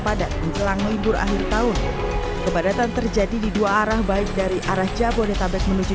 padat menjelang libur akhir tahun kepadatan terjadi di dua arah baik dari arah jabodetabek menuju